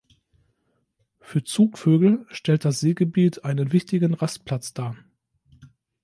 Für Zugvögel stellt das Seegebiet einen wichtigen Rastplatz dar.